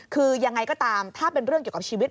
คือยังไงก็ตามถ้าเป็นเรื่องเกี่ยวกับชีวิต